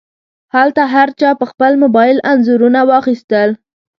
هلته هر چا په خپل موبایل انځورونه واخیستل.